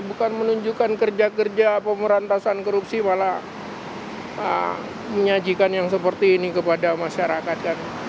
bukan menunjukkan kerja kerja pemberantasan korupsi malah menyajikan yang seperti ini kepada masyarakat